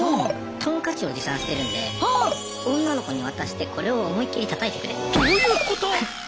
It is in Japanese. トンカチを持参してるんで女の子に渡してこれを思いっ切りたたいてくれ。